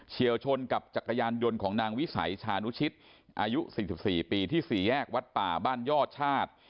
เชี่ยวชนกับจักรยานยนต์ของนางวิสัยชานุชิตอายุ๔๔ปีที่๔แยกวัดป่าบ้านยอดชาติ